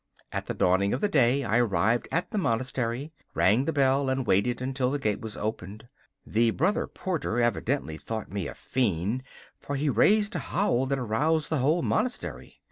At the dawning of the day I arrived at the monastery, rang the bell and waited until the gate was opened. The brother porter evidently thought me a fiend, for he raised a howl that aroused the whole monastery.